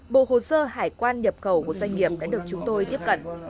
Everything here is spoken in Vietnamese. bộ hồ sơ hải quan nhập khẩu của doanh nghiệp đã được chúng tôi tiếp cận